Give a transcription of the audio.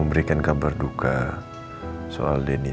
minum cukup sh camping